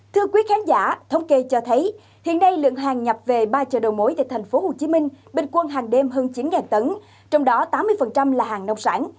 thưa quý khán giả thông kê cho thấy hiện nay lượng hàng nhập về ba chợ đầu mối tại thành phố hồ chí minh bình quân hàng đêm hơn chín tấn trong đó tám mươi là hàng nông sản